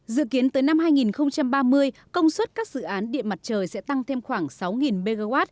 dự kiến tới năm hai nghìn ba mươi công suất các dự án điện mặt trời sẽ tăng thêm khoảng sáu mw